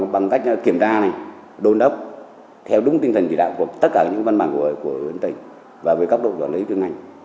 bằng cách kiểm tra này đôn đốc theo đúng tinh thần chỉ đạo của tất cả những văn bản của tỉnh và với cấp độ quản lý chuyên ngành